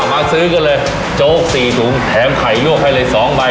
มาซื้อกันเลยโจ๊ก๔ถุงแถมไข่ลวกให้เลย๒ใบ